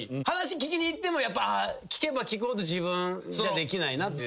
話聞きにいってもやっぱ聞けば聞くほど自分じゃできないな。